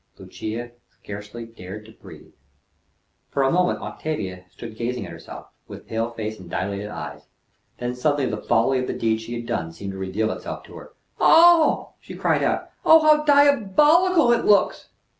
Lucia scarcely dared to breathe. For a moment Octavia stood gazing at herself, with pale face and dilated eyes. Then suddenly the folly of the deed she had done seemed to reveal itself to her. "Oh!" she cried out. "Oh, how diabolical it looks!"